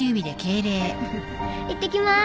いってきます。